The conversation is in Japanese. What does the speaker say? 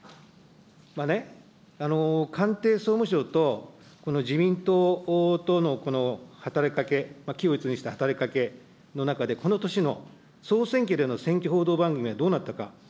官邸、総務省と、この自民党とのこの働きかけ、軌を一にした働きかけ、この年の総選挙での選挙報道番組はどうなったか。